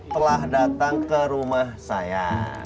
telah datang ke rumah saya